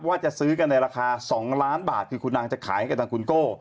ว่าจะซื้อกันในราคา๒ล้านบาทคือคุณนางจะขายให้กับทางคุณโก้